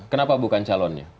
kenapa bukan calonnya